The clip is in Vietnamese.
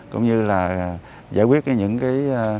cũng như là giải quyết những cái